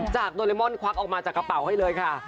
โดเรมอนควักออกมาจากกระเป๋าให้เลยค่ะ